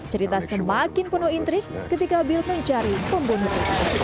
cerita semakin penuh intrik ketika bill mencari pembunuh